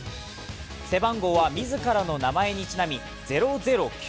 背番号は自らの名前にちなみ００９６。